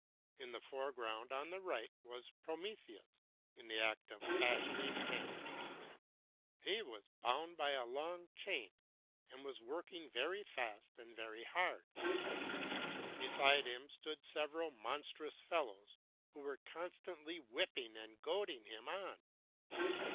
In the foreground, on the right, was Prometheus, in the act of fashioning men. He was bound by a long chain and was working very fast and very hard. Beside him stood several monstrous fellows who were constantly whipping and goading him on.